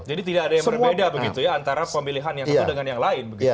jadi tidak ada yang berbeda antara pemilihan yang satu dengan yang lain